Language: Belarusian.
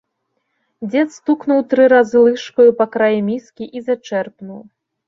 Дзед стукнуў тры разы лыжкаю па краі міскі і зачэрпнуў.